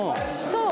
そう！